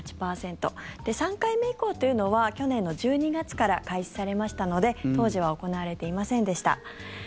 ３回目以降というのは去年の１２月から開始されましたので当時は行われていませんでした。